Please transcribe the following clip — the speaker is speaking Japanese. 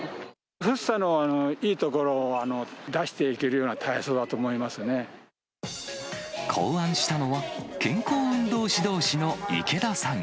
福生のいいところを出してい考案したのは、健康運動指導士の池田さん。